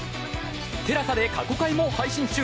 ＴＥＬＡＳＡで過去回も配信中！